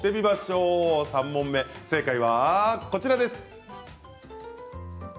３問目、正解はこちらです。